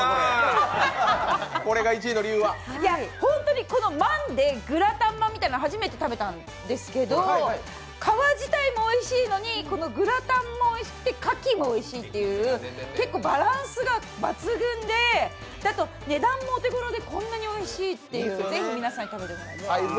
本当にまんで、グラタンまんみたいなのは初めて食べたんですけど、初めて食べたんですけど皮自体もおいしいのにグラタンもおいしくて、カキもおいしいという、結構バランスが抜群で、あと値段もお手ごろでこんなにおいしいっていう、ぜひ皆さんに食べてもらいたい。